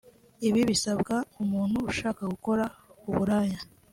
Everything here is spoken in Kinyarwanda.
Ibi bisabwa umuntu ushaka gukora uburaya